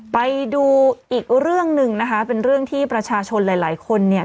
ไปดูอีกเรื่องหนึ่งนะคะเป็นเรื่องที่ประชาชนหลายหลายคนเนี่ย